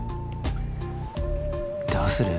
どうする？